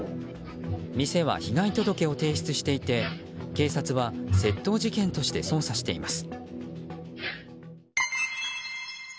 店は被害届を提出していて警察は窃盗事件として捜査しています。